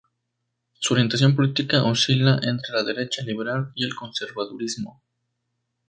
Su orientación política oscila entre la derecha liberal y el conservadurismo.